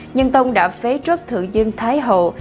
nhân tông đã phế truất thượng dương thái hậu